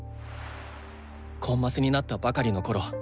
コンマスになったばかりのころ